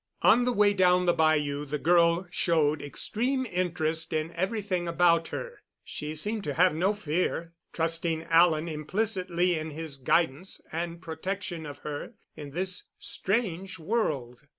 On the way down the bayou the girl showed extreme interest in everything about her. She seemed to have no fear, trusting Alan implicitly in his guidance and protection of her in this strange world.